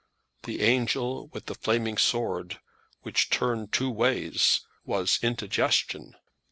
The angel with the flaming sword, which turned two ways, was indigestion!